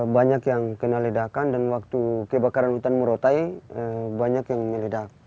banyak yang kena ledakan dan waktu kebakaran hutan murotai banyak yang meledak